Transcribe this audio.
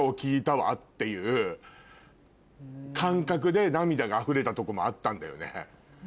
わっていう感覚で涙があふれたとこもあったんだよね。